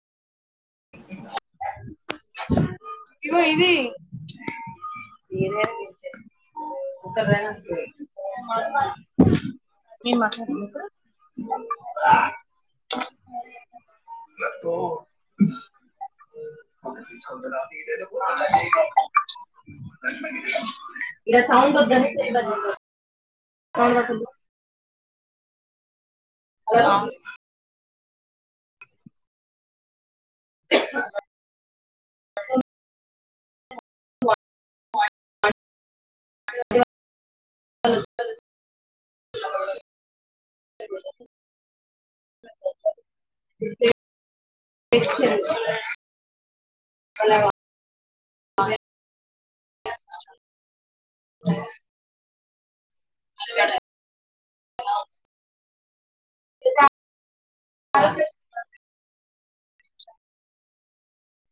ఇగో ఇది [inaudible] నేను మాట్లాడానా ఇప్పుడు తో అ చంద పో చే ఇలా సౌండ్ హోమ్ వర్క్ ఉంది హలో అండి వా హలో ఆ లేదు [unintelligible] [unintelligible] అన్నయ్య మళ్ళీ [inaudible] అర్థం కాలే హలో [unintelligible]